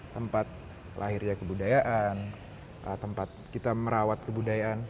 tempat lahirnya kebudayaan tempat kita merawat kebudayaan